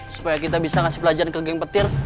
supaya kita bisa ngasih pelajaran ke geng petir